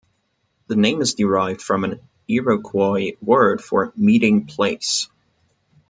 The name is derived from an Iroquois word for "meeting place".